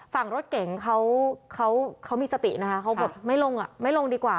ฝั่งรถเก่งเขามีสตินะคะเขาบอกไม่ลงดีกว่า